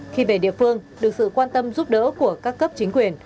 khi về địa phương được sự quan tâm giúp đỡ của các cấp chính quyền